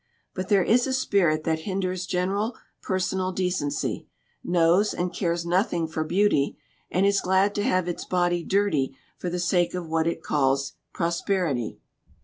But there is a spirit that hinders general personal decency, knows and cares nothing for beauty, and is glad to have its body dirty for the sake of what it calls 'pros \ perity.'